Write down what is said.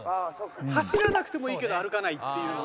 走らなくてもいいけど歩かないっていうのが。